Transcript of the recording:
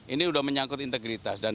ini sudah menyangkut integritas